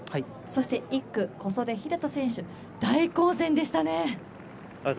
１区、小袖英人選手、大混戦でしたね。